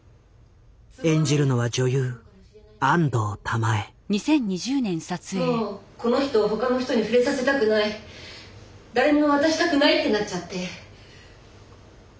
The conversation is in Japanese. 演じるのはもうこの人を他の人に触れさせたくない誰にも渡したくないってなっちゃって。